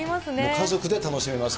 家族で楽しめます。